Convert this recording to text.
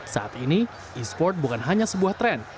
sekarang ini esport bukan hanya sebuah tren